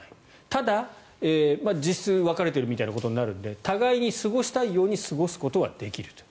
ただ、実質別れているみたいになるので互いに過ごしたいように過ごすことはできると。